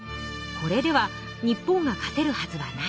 「これでは日本が勝てるはずはない。